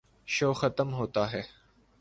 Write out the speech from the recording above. شو ختم ہوتا ہے۔